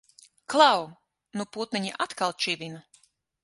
Klau! Nu putniņi atkal čivina!